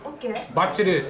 ばっちりです。